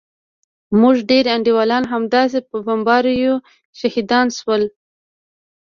زموږ ډېر انډيوالان همداسې په بمباريو شهيدان سول.